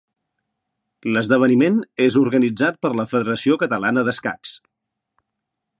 L'esdeveniment és organitzat per la Federació Catalana d’Escacs.